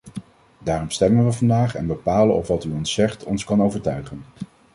Daarom stemmen we vandaag en bepalen of wat u ons zegt ons kan overtuigen.